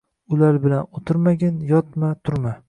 Ular bilan utirmagin yotma turma